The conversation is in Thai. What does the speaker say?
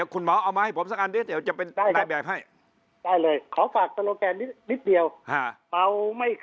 ขอฝากตะโรแกนไว้อันหนึ่งคุณสุภาว